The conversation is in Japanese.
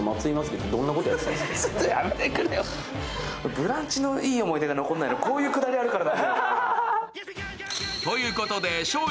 「ブランチ」のいい思い出が残んないの、こういうくだりがあるからだ。